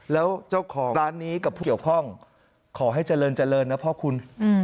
แล้วเจ้าของร้านนี้กับผู้เกี่ยวข้องขอให้เจริญเจริญนะพ่อคุณ